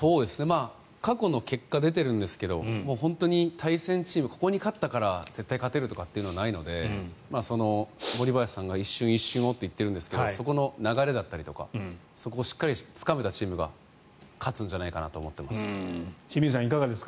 過去の結果出てるんですが本当に対戦チームここに勝ったから絶対勝てるということはないので森林さんが一瞬一瞬をと言ってるんですけどそこの流れだったりとかそこをしっかりつかめたチームが勝つのではと思います。